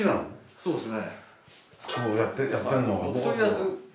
そうですね。